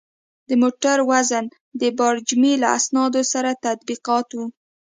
د موټر وزن د بارجامې له اسنادو سره تطبیقاوه.